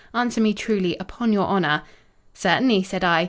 Answer me truly, upon your honour.' "'Certainly,' said I.